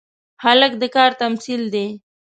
هلک د کار تمثیل دی.